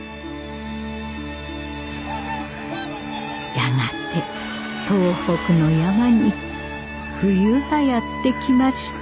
やがて東北の山に冬がやって来ました。